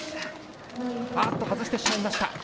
あーっと外してしまいました。